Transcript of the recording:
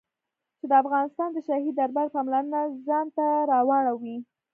چې د افغانستان د شاهي دربار پاملرنه ځان ته را واړوي.